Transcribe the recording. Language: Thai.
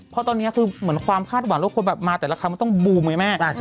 เพราะตอนนี้คือเหมือนความคาดหวังว่าคนแบบมาแต่ละครั้งมันต้องบูมไงแม่